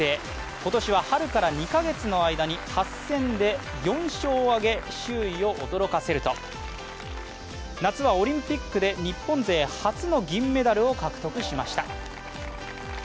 今年は春から２カ月の間に８戦で４勝を挙げ周囲を驚かせると、夏はオリンピックで日本勢初の銀メダルを獲得しました。